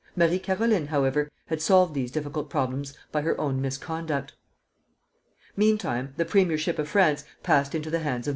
Marie Caroline, however, had solved these difficult problems by her own misconduct. Meantime the premiership of France passed into the hands of M.